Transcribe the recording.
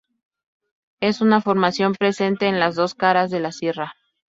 Es una formación presente en las dos caras de la Sierra.